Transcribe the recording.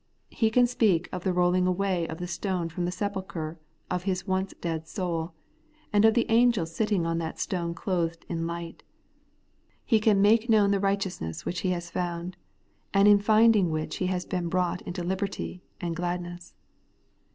He can speak of the rolling away of the stone from the sepulchre of his once dead soul, and of the angel sitting on that stone clothed in light. He can make known the righteousness which he has found, and in finding which he has been brought into liberty and gladness.